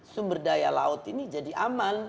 sumber daya laut ini jadi aman